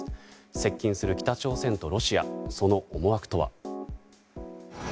接近する北朝鮮とロシアその思惑とは？